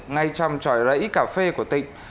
ngay trong tròi rẫy cà phê của tỉnh